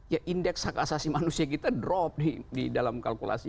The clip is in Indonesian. ya indeks hak asasi manusia kita drop di dalam kalkulasi